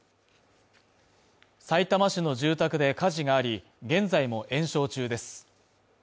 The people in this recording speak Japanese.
さいたま市の住宅で火事があり、現在も延焼中です。